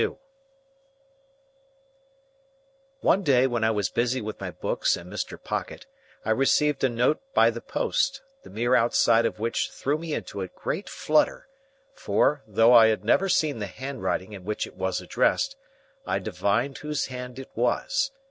One day when I was busy with my books and Mr. Pocket, I received a note by the post, the mere outside of which threw me into a great flutter; for, though I had never seen the handwriting in which it was addressed, I divined whose hand it was.